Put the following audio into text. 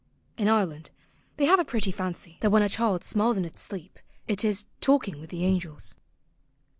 [In Ireland they have a pretty fancy that when a child smiles in its sleep it is " talking with angels."